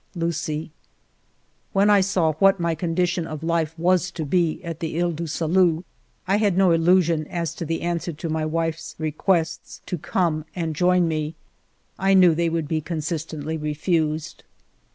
... Lucie." When I saw what my condition of life was to be at the lies du Salut, I had no illusion as to ALFRED DREYFUS i6i the answer to my wife's requests to come and join me. I knew they would be consistently refused.